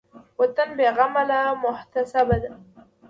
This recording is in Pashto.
وطن بېغمه له محتسبه